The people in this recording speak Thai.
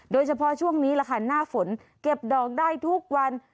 โดยเฉพาะช่วงนี้แหละค่ะหน้าฝนเก็บดอกได้ทุกวัน